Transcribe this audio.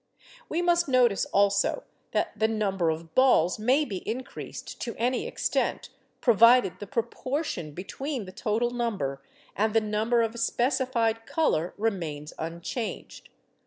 We must notice also that the number of balls may be increased to any extent, provided the proportion between the total number and the number of a specified colour remains unchanged.